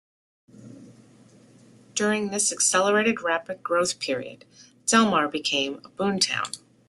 During this accelerated rapid growth period, Delmar became a "boom town".